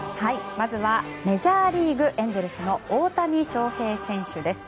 まずはメジャーリーグエンゼルスの大谷翔平選手です。